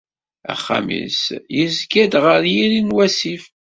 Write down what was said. Axxam-is yezga-d ɣer yiri n wasif.